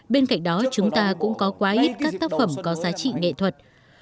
bên cạnh đó chúng ta cũng có quá ít các tác phẩm có giá trị nghệ thuật